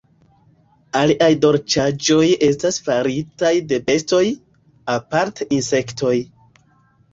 Aliaj dolĉaĵoj estas faritaj de bestoj, aparte insektoj.